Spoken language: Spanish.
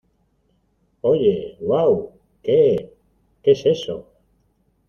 ¡ Oye! ¡ uau !¿ qué? ¿ qué es eso ?